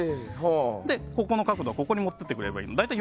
ここの角度はここに持ってくればいい。